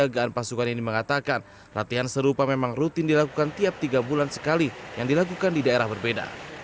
dan kesiagaan pasukan ini mengatakan latihan serupa memang rutin dilakukan tiap tiga bulan sekali yang dilakukan di daerah berbeda